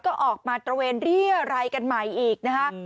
ก็ออกมาตระเวนเรียรัยกันใหม่อีกนะคะ